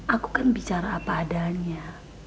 aku kan bicara apa adanya